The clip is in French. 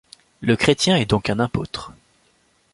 Le chrétien est donc un apôtre.